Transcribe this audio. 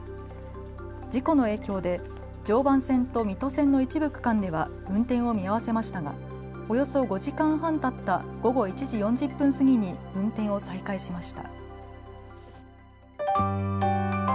事故の影響で常磐線と水戸線の一部区間では運転を見合わせましたがおよそ５時間半たった午後１時４０分過ぎに運転を再開しました。